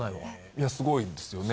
いやすごいですよね。